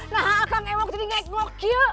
nah akang ewak jadi ngegok